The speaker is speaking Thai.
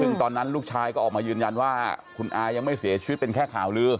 ซึ่งตอนนั้นลูกชายก็ออกมายืนยันว่าคุณอายังไม่เสียชีวิตเป็นแค่ข่าวลือ